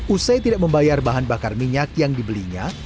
usai tidak membayar bahan bakar minyak yang dibelinya